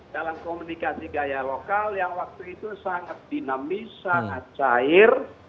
dalam komunikasi gaya lokal yang waktu itu sangat dinamis sangat cair